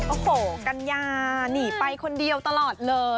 โอ้โหกัญญาหนีไปคนเดียวตลอดเลย